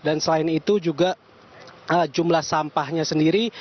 dan selain itu juga jumlah sampahnya sendiri